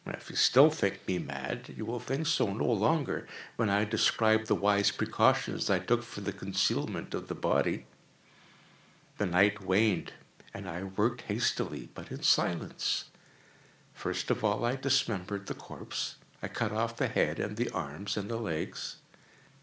If still you think me mad, you will think so no longer when I describe the wise precautions I took for the concealment of the body. The night waned, and I worked hastily, but in silence. First of all I dismembered the corpse. I cut off the head and the arms and the legs.